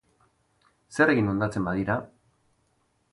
Zer egin hondatzen badira?